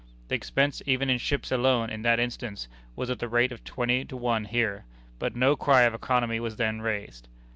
The expense even in ships alone, in that instance, was at the rate of twenty to one here, but no cry of economy was then raised."